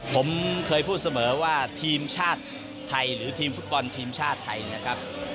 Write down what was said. ผมเคยพูดเสมอว่าทีมชาติไทยหรือทีมฟุตบอลทีมชาติไทยนะครับ